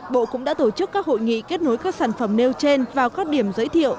bộ cũng đã tổ chức các hội nghị kết nối các sản phẩm nêu trên vào các điểm giới thiệu